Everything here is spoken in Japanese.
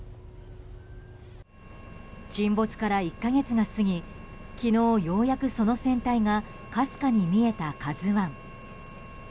沈没から１か月が過ぎ昨日、ようやくその船体がかすかに見えた「ＫＡＺＵ１」。